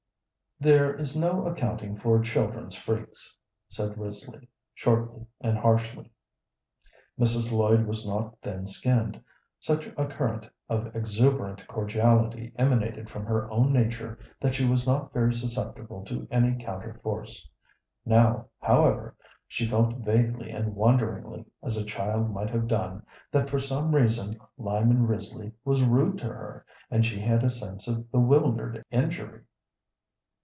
"There is no accounting for children's freaks," said Risley, shortly and harshly. Mrs. Lloyd was not thin skinned; such a current of exuberant cordiality emanated from her own nature that she was not very susceptible to any counter force. Now, however, she felt vaguely and wonderingly, as a child might have done, that for some reason Lyman Risley was rude to her, and she had a sense of bewildered injury.